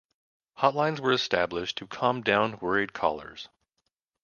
Hotlines were established to calm down worried callers.